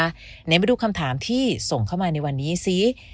ไหนมาดูคำถามที่ส่งเข้ามาในวันนี้ซิ